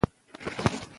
څنګه تعلیم فساد کموي؟